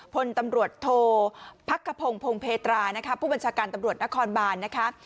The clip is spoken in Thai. พตโธพักภพงศ์พงศ์เพตราผู้บัญชาการตำรวจนครบานนะคะ